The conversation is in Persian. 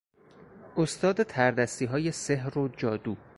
استاد تردستیهای سحر و جادویی